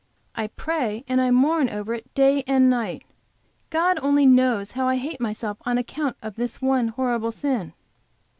I pray and mourn over it day and night. God only knows how I hate myself on account of this one horrible sin!"